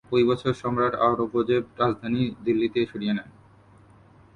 ঐ বছর সম্রাট আওরঙ্গজেব রাজধানী দিল্লীতে সরিয়ে নেন।